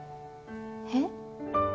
えっ？